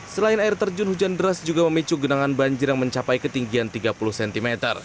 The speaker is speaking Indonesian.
selain air terjun hujan deras juga memicu genangan banjir yang mencapai ketinggian tiga puluh cm